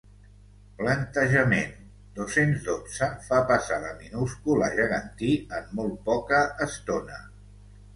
Plantejament dos-cents dotze fa passar de minúscul a gegantí en molt poca estona.